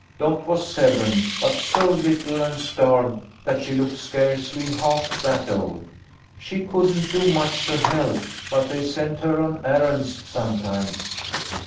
Dot was seven, but so little and starved that she looked scarcely half that old. She couldn't do much to help, but they sent her on errands sometimes.